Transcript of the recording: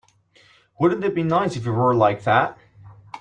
Wouldn't it be nice if we were like that?